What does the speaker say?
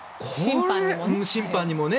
審判にもね。